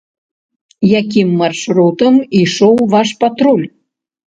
Якім маршрутам ішоў ваш патруль?